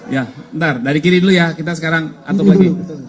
ya ntar dari kiri dulu ya kita sekarang atop lagi